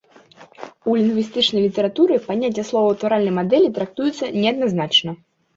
У лінгвістычнай літаратуры паняцце словаўтваральнай мадэлі трактуецца неадназначна.